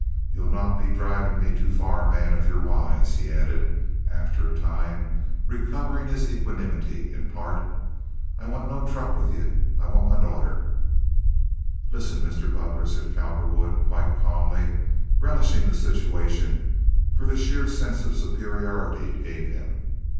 "Ye'll not be drivin' me too far, man, if ye're wise," he added, after a time, recovering his equanimity in part. "I want no truck with ye. I want my daughter." "Listen, Mr. Butler," said Cowperwood, quite calmly, relishing the situation for the sheer sense of superiority it gave him.